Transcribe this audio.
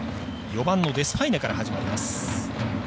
４番のデスパイネから始まります。